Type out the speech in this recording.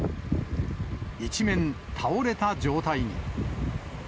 一面、倒れた状態に。